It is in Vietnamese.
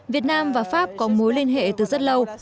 việt nam và pháp có mối liên hệ từ rất lâu